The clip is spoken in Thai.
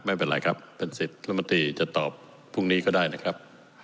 ไม่เป็นไรครับเป็นสิทธิ์รัฐมนตรีจะตอบพรุ่งนี้ก็ได้นะครับ